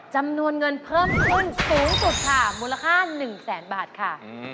จำนวนเงินเพิ่มขึ้นสูงสุดค่ะมูลค่า๑แสนบาทค่ะ